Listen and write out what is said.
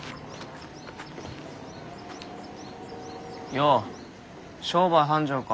よお商売繁盛か？